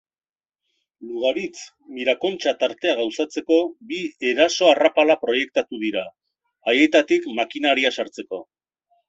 Lugaritz-Mirakontxa tartea gauzatzeko bi eraso-arrapala proiektatu dira, haietatik makineria sartzeko.